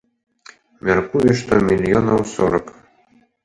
Мяркую, што мільёнаў сорак.